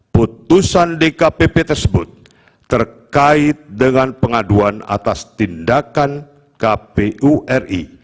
putusan dkpp tersebut terkait dengan pengaduan atas tindakan kpu ri